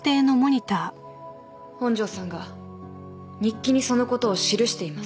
本庄さんが日記にそのことを記しています。